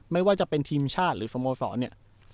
ไม่ว่าจะเป็นทีมชาติหรือสโมสรเนี่ย